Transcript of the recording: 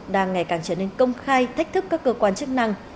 đang ngày càng trở nên công khai thách thức các cơ quan chức năng